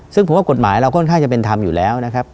ซึ่งผมว่ากฎหมายเราค่อนข้างจะเป็นธรรมอยู่แล้วนะครับ